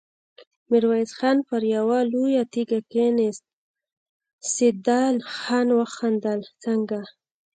ميرويس خان پر يوه لويه تيږه کېناست، سيدال خان وخندل: څنګه!